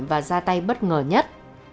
và ra tay bất ngờ nhất